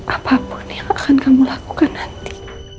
apa pun yang akan kamu lakukan nanti